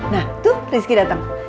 nah tuh rizky datang